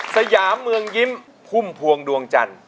สยามเมืองยิ้มพุ่มพวงดวงจันทร์